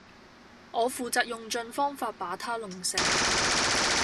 我負責用盡方法把她弄醒